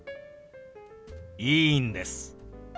いいんです。